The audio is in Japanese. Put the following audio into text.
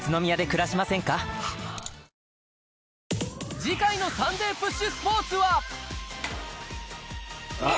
次回の『サンデーＰＵＳＨスポーツ』は。